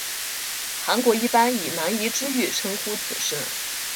韩国一般以南怡之狱称呼此事。